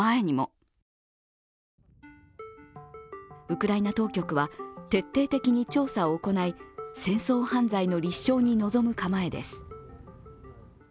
ウクライナ当局は徹底的に調査を行い、戦争犯罪の立証に臨む構えです。